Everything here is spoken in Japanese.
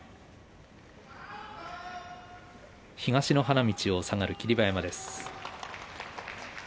東の花道を下がる霧馬山です。